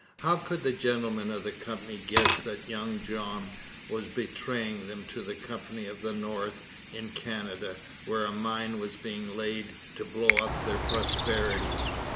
How could the gentlemen of the Company guess that young Jean was betraying them to the Company of the North in Canada, where a mine was being laid to blow up their prosperity?